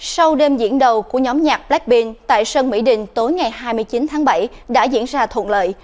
sau đêm diễn đầu của nhóm nhạc blackpink tại sân mỹ đình tối ngày hai mươi chín tháng bảy đã diễn ra thuận lợi